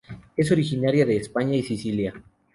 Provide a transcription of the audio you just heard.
Es originaria de España y Sicilia.